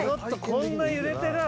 こんな揺れてる？